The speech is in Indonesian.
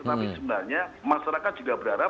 tapi sebenarnya masyarakat juga berharap